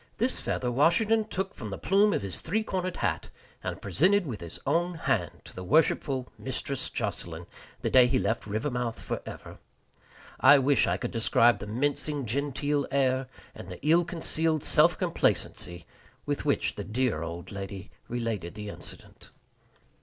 This feather Washington took from the plume of his three cornered hat, and presented with his own hand to the worshipful Mistress Jocelyn the day he left Rivermouth forever. I wish I could describe the mincing genteel air, and the ill concealed self complacency, with which the dear old lady related the incident.